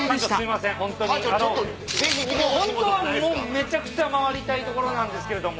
めちゃくちゃ回りたいところなんですけれども。